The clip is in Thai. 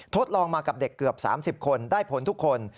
ทดลองมากับเด็กเกือบ๓๐คนได้ผลทุกคน